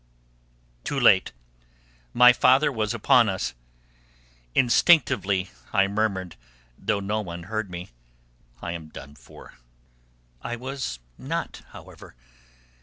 Too late: my father was upon us. Instinctively I murmured, though no one heard me, "I am done for!" I was not, however.